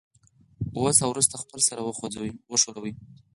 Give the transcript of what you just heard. اوس او وروسته خپل سر وخوځوئ.